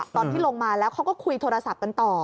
ตอนที่ลงมาแล้วเขาก็คุยโทรศัพท์กันต่อ